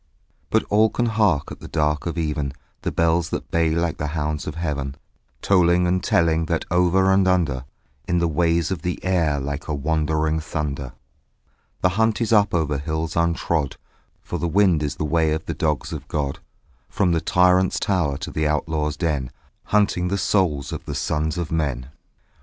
But all can hark at the dark of even The bells that bay like the hounds of heaven, Tolling and telling that over and under, In the ways of the air like a wandering thunder, The hunt is up over hills untrod: For the wind is the way of the dogs of God: From the tyrant's tower to the outlaw's den Hunting the souls of the sons of men.